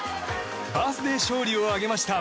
バースデー勝利を挙げました。